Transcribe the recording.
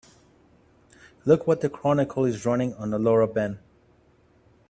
Look what the Chronicle is running on Laura Ben.